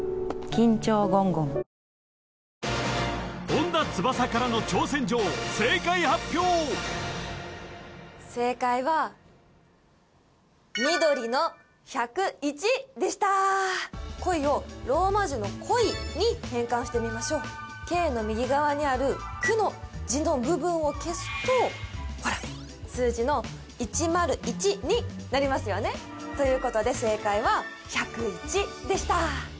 本田翼からの挑戦状正解発表正解は緑の１０１でした「恋」をローマ字の「ＫＯＩ」に変換してみましょうＫの右側にあるくの字の部分を消すとほら数字の１０１になりますよねということで正解は１０１でした